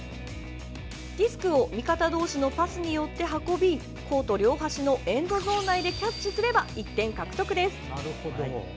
ディスクを味方同士のパスによって運びコート両端のエンドゾーン内でキャッチすれば、１点獲得です。